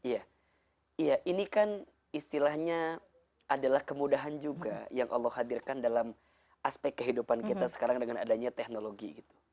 iya ini kan istilahnya adalah kemudahan juga yang allah hadirkan dalam aspek kehidupan kita sekarang dengan adanya teknologi gitu